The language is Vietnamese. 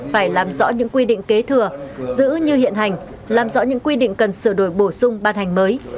phải làm rõ những quy định kế thừa giữ như hiện hành làm rõ những quy định cần sửa đổi bổ sung ban hành mới